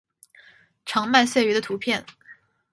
长麦穗鱼的图片